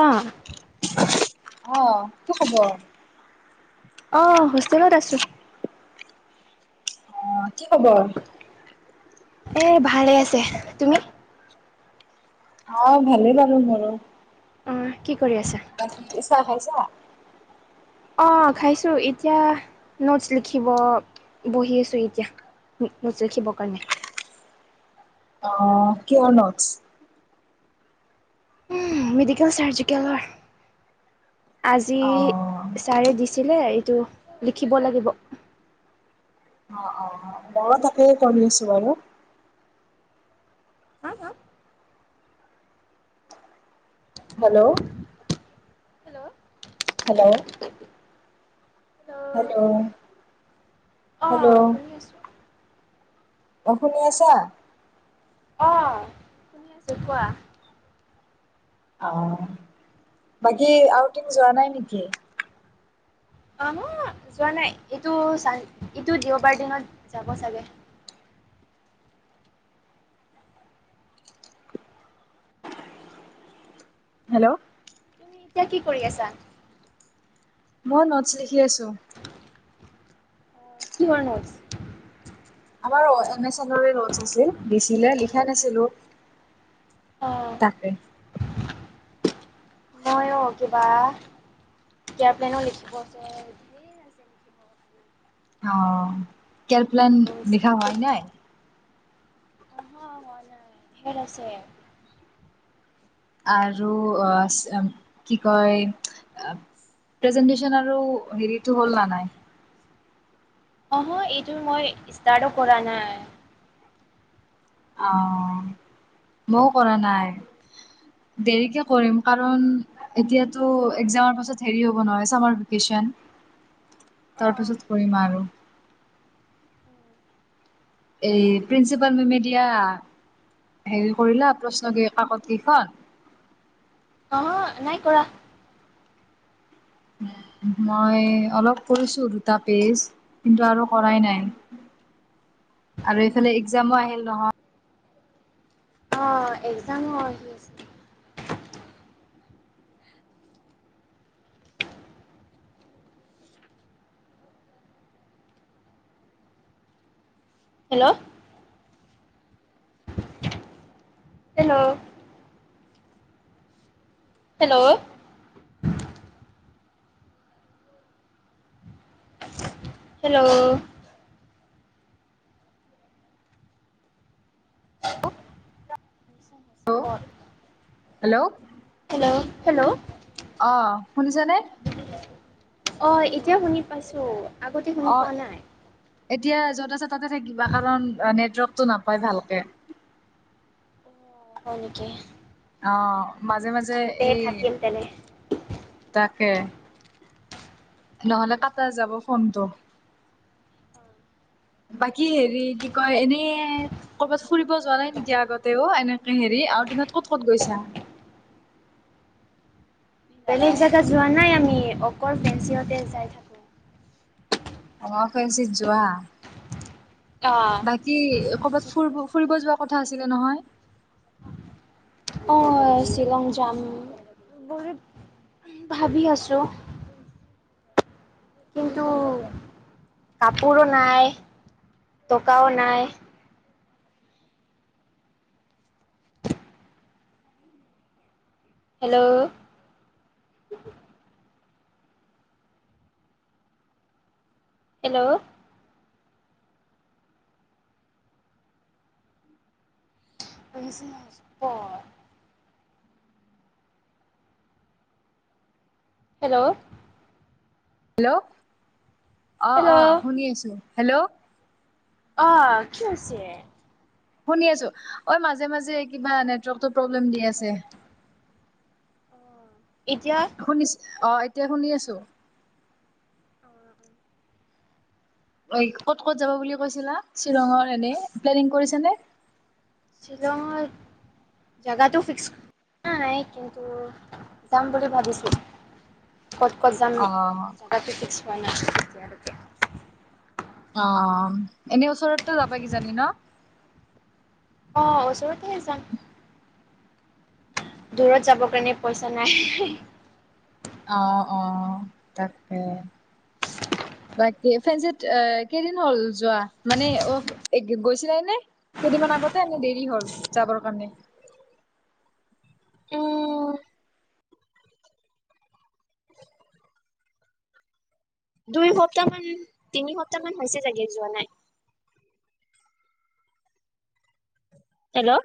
অ আহ কি খবৰ? আহ হোষ্টেলত আছো। অ কি খবৰ? এ ভালে আছে। তুমি? অ ভালেই বাৰু মোৰো। অ কি কৰি আছা বাকী চাহ খাইছা? অ খাইছো এতিয়া নোটছ লিখিব বহি আছো এতিয়া। নোটছ লিখিব কাৰনে আহ কিহৰ নোটছ? মেডিকেল চাৰ্জিকেলৰ আজি অ', চাৰে দি ছিলে এইটো লিখিব লাগিব। অ', অ', ময়ো তাকেই কৰি আছো বাৰু। হা হা হেল্ল' হেল্ল' হেল্ল' হেল্ল' অ হেল্ল' শুনি আছো অ শুনি আছা? শিকোৱা অ বাকী আউটিং যোৱা নাই নেকি? অ ম যোৱা নাই এইটো চান ইটো দেওবাৰ দিনত যাব চাগে। উ হেল্ল' তুমি এতিয়া কি কৰি আছা। মই নটছ লিখি আছো। কিহৰ নোটচ আমাৰ এন এছ এন নটছ আছিল আছিলে লিখা নাছিলো। অ তাকে মইয়ো কিবা [unintelligible] প্লেনো লিখিব দিয়ে অ অ কে প্লেন লিখা হোৱা নাই। অহ হোৱা নাই ধেৰ আছে। আৰু আহ কি কয়। প্ৰেজেণ্টেছন আৰু হেৰিটো হ'ল না নাই অ এইটো মই ষ্টাৰ্টো কৰা নাই। অ ময়ো কৰা নাই। দেৰিকে কৰিম কাৰণ এতিয়াতো একজামৰ পাছত হেৰি হ'ব নহ ছামাৰভেকেচন [inaudible] তাৰ অ' পাচত কৰিম আৰু এই প্ৰিন্সিপাল মেমে দিয়া হেৰি কৰিলা প্ৰশ্ন কি কাকত কেইখন? অ নাই কৰা। মই অলপ কৰিছো দুটা পেজ কিন্তু আৰু কৰাই নাই। [inaudible] আৰু এইফালে এগজামো আহিল নহয়। অ এগজাম আহি আছে। হেল্ল' হেল্ল' হেল্ল' হেল্ল' লো হেল্ল' হেল্ল' হেল্ল' অ শুনিছ নে? অ এতিয়া শুনি পাইছো আগতে শুনি অ পোৱা নাই। এতিয়া য'ত আছে তাতে থাকিবা কাৰণ নেটৱৰ্কটো নাপায় ভালকে। হয় নেকি? অ মাজে মাজে ইয়াতে এই থাকিম তেনে তাকে নহলে কটা যাব ফোনটো? [inaudible] বাকী হেৰি কি কয় এনে কৰবাত ফুৰিব যোৱা নাই নেকি আগতেও এনেকে হেৰি আৰু তনত ক'ত ক'ত গৈছা। [inaudible] বেলেগ জাগা যোৱা নাই আমি অকল ফেঞ্চিতে যাই থাকো। অ ফেঞ্চিত যোৱা অ', বাকী কৰ'বাত ফুৰিব। ফুৰিব যোৱা কথা আছিলে নহয়। অ শ্বিলং যাম। ভাবি আছো। কিন্তু কাপোৰো নাই টকাও নাই হেল্ল' হেল্ল' উছ নচ পৰ হেল্ল' হেল্ল' অ অ হেল্ল' শুনি আছো। হেল্ল' আহ কি হৈছে? শুনি আছো ঐ মাজে মাজে কিবা নেটৱৰ্কটো প্ৰব্লেম দি আছে। [inaudible] এতিয়া শুনিছ অ এতিয়া শুনি আছো। অ ক'ত ক'ত যাব বুলি কৈছিলা শ্বিলঙৰ এনে প্লেনিং কৰিছে নে শ্বিলঙৰ জেগাটো ফিক্স নাই কিন্তু যাম বুলি ভাবিছো। ক'ত ক'ত যাম অ', জেগাটো ফিক্স হোৱা নাই এতিয়ালৈকে অ এনে ওচৰতটো যাবা কিজানি ন? অ ওচৰতে যাম। দূৰত যাবৰ কাৰণে পইচা নাই। অহ অহ তাকে [unintelligible] বাকী ফেঞ্চিত কেইদিন হ'ল যোৱা মানে অ গৈছিলাই নে? কেইদিনমান আগতে এনে দেৰি হ'ল যাবৰ কাৰণে [inaudible] উম দুই সপ্তাহ মান তিনি সপ্তাহ মান হৈছে চাগে যোৱা নাই hello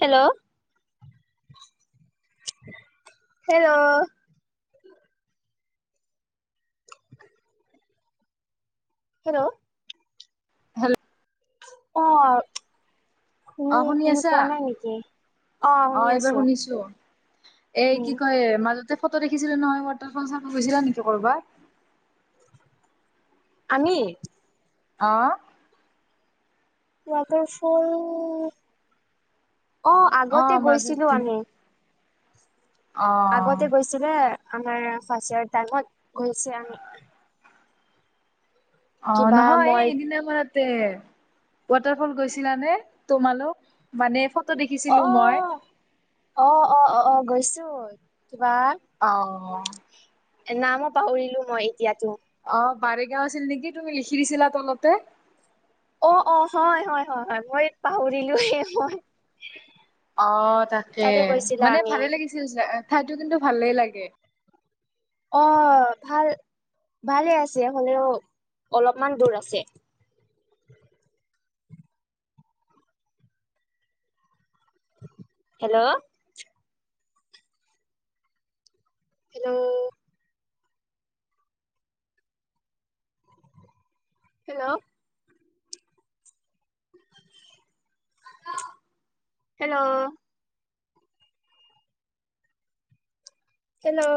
hello hello hello hello অ অ', শুনি শুনি আছা? পোৱা নাই নেকি? অ শুনি আছো। এ কি উম কয় মাজতে ফটো দেখিছিলো নহয় ৱাটাৰ ফল চাব গৈছিলা নেকি কৰবাত। আমি অহ ৱাটাৰফল অ অ', আগতে গৈছিলো মাজতে আমি অ', আগতে গৈছিলে আমাৰ ফাৰ্ষ্ট ইয়াৰ টাইমত গৈছে আমি অ কিবা নহয় মই এদিনা মান তে ৱাটাৰ ফল গৈছিলা নে তোমালোক মানে অ দেখিছিলো মই। অ অ অ অ গৈছো কিবা অ নামো পাহৰিলো মই এতিয়াতো। অ বাৰেগাও আছিল নেকি তুমি লিখি দিছিলা তলতে অ অ হয় হয় হয় হয় মই পাহৰিলো মই অ তাকে তাতে গৈছিলা মানে আমি ভালে লাগিছিল ঠাইো কিন্তু ভালেই লাগে অ ভাল। ভালে আছে হ'লেও অলপমান দূৰ আছে। Hello hello hello hello hello